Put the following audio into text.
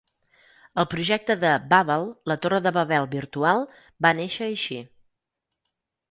El projecte de "Babble, la torre de Babel virtual", va néixer així.